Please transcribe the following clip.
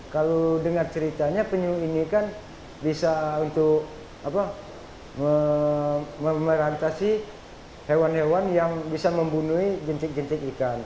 kalau dengar ceritanya penyu ini kan bisa untuk memerihantasi hewan hewan yang bisa membunuh jentik jentik ikan